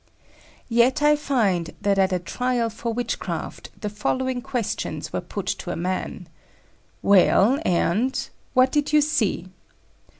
Yet I find that at a trial for witchcraft, the following questions were put to a man: "Well! and what did you see?"